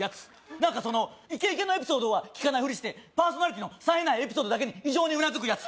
何かそのイケイケのエピソードは聞かないふりしてパーソナリティーのさえないエピソードだけに異常にうなずくヤツ